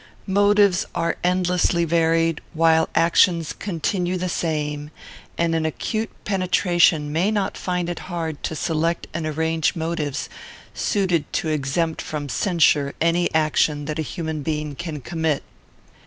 Motives are endlessly varied, while actions continue the same; and an acute penetration may not find it hard to select and arrange motives, suited to exempt from censure any action that a human being can commit.